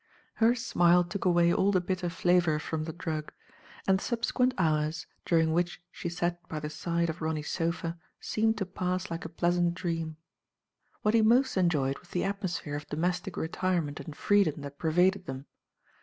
Her smile took away all the bitter flavor from the drug, and the subsequent hours, during which she sat by the side of Ronny *s sofa, seemed to pass. like a pleasant dream. What he most enjoyed was the atmosphere of domestic retirement and freedom that pervaded them.